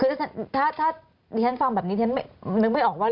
คือถ้าดิฉันฟังแบบนี้ฉันนึกไม่ออกว่า